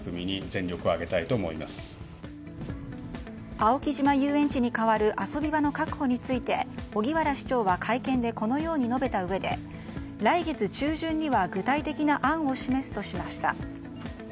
青木島遊園地に代わる遊び場の確保について荻原市長は会見でこのように述べたうえで来月中旬には具体的な案を示すとしました。